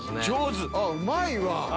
うまいわ！